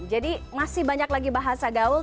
jadi masih banyak lagi bahasa gaul